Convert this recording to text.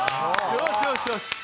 よしよしよしっ。